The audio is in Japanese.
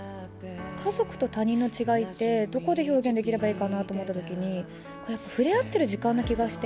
家族と他人の違いって、どこで表現できればいいかなと思ったときに、触れ合ってる時間な気がして。